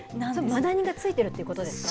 マダニがついているということですか？